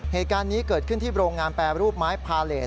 เหตุการณ์นี้เกิดขึ้นที่โรงงานแปรรูปไม้พาเลส